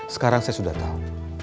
sekarang saya sudah tahu